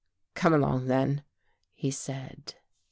" Come along, then," he said.